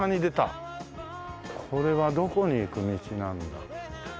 これはどこに行く道なんだ？